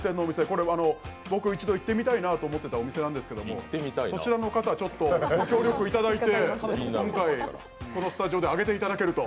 これ、僕一度行ってみたいなと思っていたお店なんですけど、そちらの方にご協力いただいて、今回、このスタジオで揚げていただけると。